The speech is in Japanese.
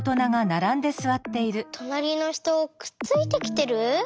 となりのひとくっついてきてる？